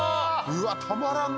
うわたまらん